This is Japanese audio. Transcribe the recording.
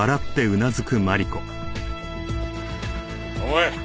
おい！